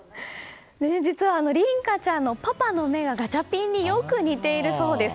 実は琳香ちゃんのパパの目がガチャピンによく似ているそうです。